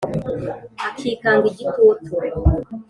Akikanga igitutu